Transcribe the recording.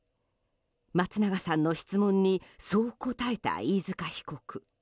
松永さんの質問にそう答えた飯塚被告。